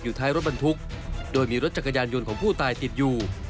ท้ายรถบรรทุกโดยมีรถจักรยานยนต์ของผู้ตายติดอยู่